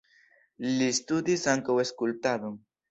Li studis ankaŭ skulptadon.